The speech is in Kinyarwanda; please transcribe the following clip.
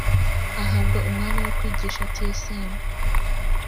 ahabwa umwanya wo kwigisha tsm